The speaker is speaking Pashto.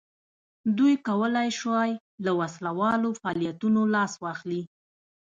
دوی کولای شوای له وسله والو فعالیتونو لاس واخلي.